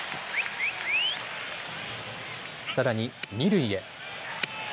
さらに、二塁へ。